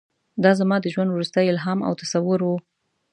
دا زما د ژوند وروستی الهام او تصور و.